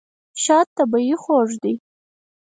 شات طبیعي خوږ دی.